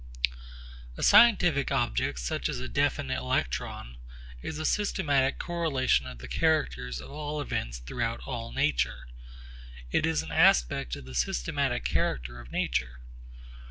A scientific object such as a definite electron is a systematic correlation of the characters of all events throughout all nature. It is an aspect of the systematic character of nature.